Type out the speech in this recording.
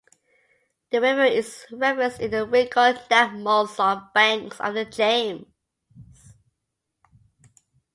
The river is referenced in the Wrinkle Neck Mules song Banks of the James.